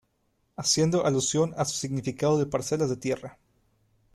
Haciendo alusión a su significado de parcelas de tierra.